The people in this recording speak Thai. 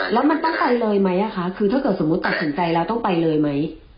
แล้วมันตั้งใจเลยไหมคะคือถ้าเกิดสมมุติตัดสินใจแล้วต้องไปเลยไหม